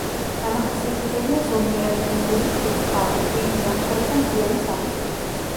დამახასიათებელია ზომიერად ტენიანი თბილი ჰავა, რბილი ზამთარი და მზიანი ზაფხული.